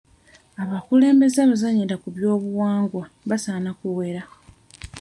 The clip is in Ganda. Abakulembeze abazannyira ku by'obuwangwa basaana kuwera.